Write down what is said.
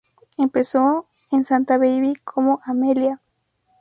Empezó en Santa Baby como "Amelia".